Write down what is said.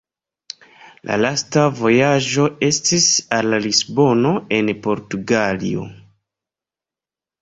La lasta vojaĝo estis al Lisbono en Portugalio.